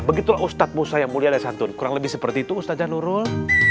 begitulah ustadz musa yang mulia dan santun kurang lebih seperti itu ustadz janurul